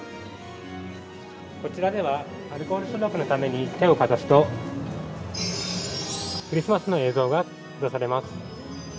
こちらでは、アルコール消毒のために手をかざすと、クリスマスの映像が映し出されます。